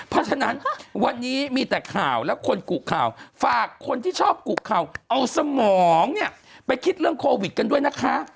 เพราะฉะนั้นวันนี้มีแต่ข่าวและคนกุข่าวฝากคนที่ชอบกุข่าวเอาสมองเนี่ยไปคิดเรื่องโควิดกันด้วยนะคะ